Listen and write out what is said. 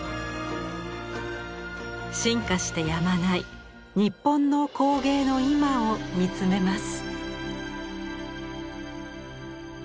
進化してやまない日本の工芸の今を見つめます。